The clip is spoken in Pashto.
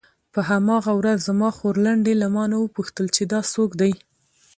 په هماغه ورځ زما خورلنډې له مانه وپوښتل چې دا څوک دی.